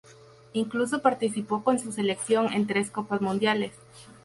Incluso participó con su selección en tres Copas Mundiales.